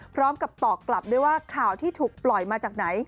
พร้อมกับตอบกลับด้วยว่าข่าวที่ถูกปล่อยมาจากไหน